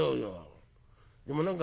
でも何か